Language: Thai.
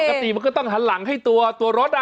ปกติมันก็ต้องหันหลังให้ตัวรถ